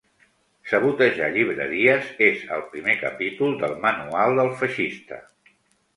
Sabotejar llibreries és al primer capítol del manual del feixista.